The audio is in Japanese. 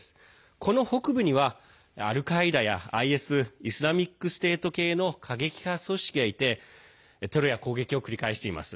この北部にはアルカイダやＩＳ＝イスラミックステート系の過激派組織がいてテロや攻撃を繰り返しています。